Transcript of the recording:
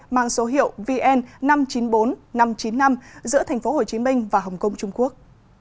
mang số hiệu vn năm trăm chín mươi bốn nghìn năm trăm chín mươi năm giữa thành phố hồ chí minh và hồng kông trung quốc